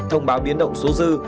thông báo biến động số dư